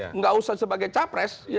tidak usah sebagai capres